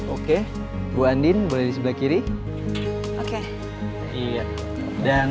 oke bu andin boleh di sebelah kiri oke